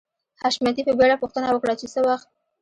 حشمتي په بېړه پوښتنه وکړه چې څه وخت